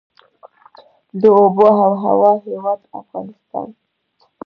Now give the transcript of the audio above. د اوبو او هوا هیواد افغانستان.